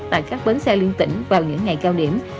tại các bến xe liên tỉnh vào những ngày cao điểm